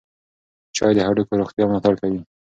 چای د هډوکو روغتیا ملاتړ کوي.